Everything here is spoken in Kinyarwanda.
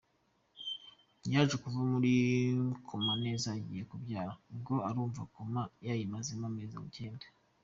Yaje kuva muri koma neza agiye kubyara, ubwo urumva koma yayimazemo amezi icyenda" .